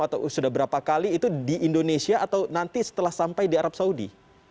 atau sudah berapa kali itu di indonesia atau nanti setelah sampai di arab saudi